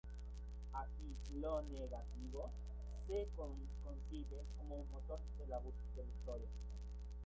Aquí, "lo negativo" se concibe como motor de la historia.